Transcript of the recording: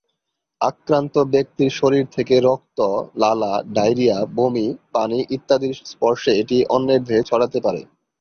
আক্রান্ত ব্যক্তির শরীর থেকে রক্ত, লালা, ডায়রিয়া, বমি, পানি ইত্যাদির স্পর্শে এটি অন্যের দেহে ছড়াতে পারে।